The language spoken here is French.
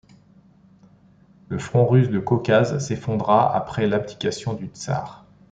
Le front russe du Caucase s'effondra après l'abdication du tsar.